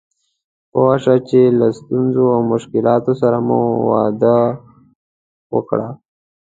پوه شه چې له ستونزو او مشکلاتو سره مو واده وکړ.